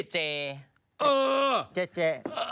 เจ๊